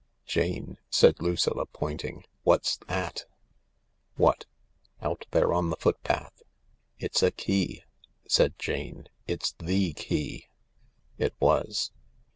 "Jane," said Lucilla, pointing, "what's that ?" "What?" " Out there on the footpath." " It's a key," said Jane. " It's the key." It was.